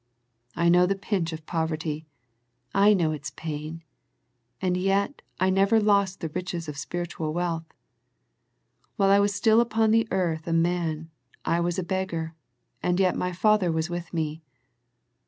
I know the pinch of poverty, I know its pain, and yet I never lost the riches of spiritual wealth. While I was still upon the earth a man, I was a beg gar, and yet My Father was with Me.